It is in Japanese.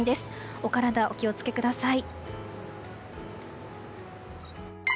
お体お気を付けください。